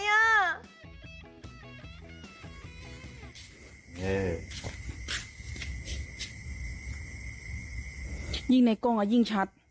ยิ่งในกล้องอ่ะยิ่งชัด